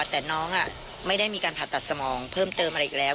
แต่น้องไม่ได้มีการผ่าตัดสมองเพิ่มเติมอะไรอีกแล้ว